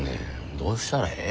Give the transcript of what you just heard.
どうしたらええ？